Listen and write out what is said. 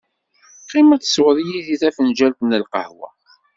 Qqim ad tesweḍ yid-i tafenǧalt n lqahwa.